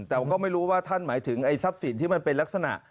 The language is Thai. แต่ก็ไม่รู้ว่าท่านหมายถึงไอ้ทรัพย์สินที่มันเป็นลักษณะ